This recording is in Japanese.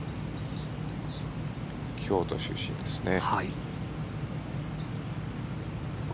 京都出身ですね。